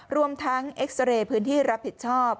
รวมทั้งเอ็กซาเรย์พื้นที่รับผิดชอบ